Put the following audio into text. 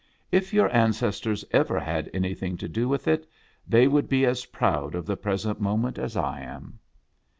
If your ancestors ever had anything to do with it, they would be as proud of the present moment as I am."